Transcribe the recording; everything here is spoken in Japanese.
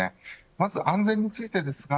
まず安全についてですが